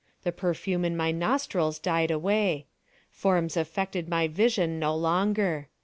The perfume in my nostrils died away. Forms affected my vision no longer.